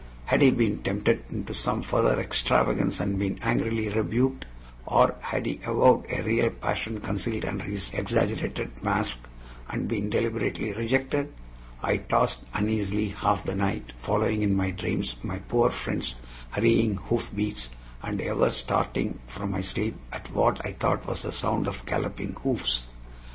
Had he been tempted into some further extravagance and been angrily rebuked, or had he avowed a real passion concealed under his exaggerated mask and been deliberately rejected? I tossed uneasily half the night, following in my dreams my poor friend's hurrying hoofbeats, and ever starting from my sleep at what I thought was the sound of galloping hoofs.